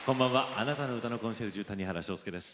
あなたの歌のコンシェルジュ谷原章介です。